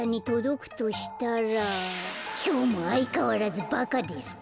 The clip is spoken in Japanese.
かいそう「きょうもあいかわらずバカですか？